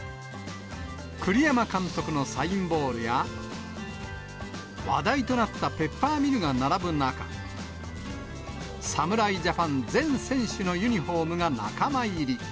栗山監督のサインボールや、話題となったペッパーミルが並ぶ中、侍ジャパンの全選手のユニホームが仲間入り。